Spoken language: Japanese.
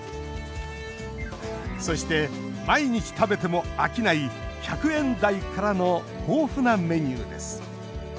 そして、毎日食べても飽きない１００円台からの豊富なメニューです。